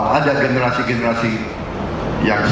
saya berterima kasih kepada anda